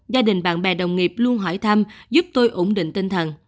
gia đình bạn bè đồng nghiệp luôn hỏi thăm giúp tôi ổn định tinh thần